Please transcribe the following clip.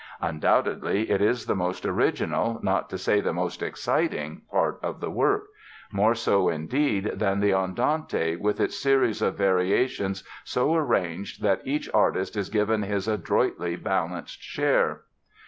Undoubtedly it is the most original, not to say the most exciting, part of the work—more so, indeed, than the Andante, with its series of variations so arranged that each artist is given his adroitly balanced share.